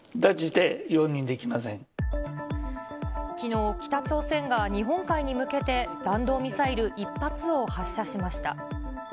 きのう、北朝鮮が日本海に向けて、弾道ミサイル１発を発射しました。